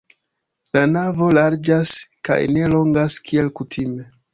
La navo larĝas kaj ne longas, kiel kutime.